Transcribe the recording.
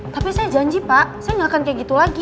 tapi saya janji pak saya nggak akan kayak gitu lagi